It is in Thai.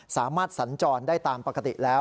สามารถสรรจรได้ตามปกติแล้ว